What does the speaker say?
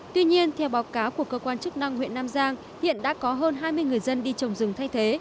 tuy nhiên theo báo cáo của cơ quan chức năng huyện nam giang hiện đã có hơn hai mươi người dân đi trồng rừng thay thế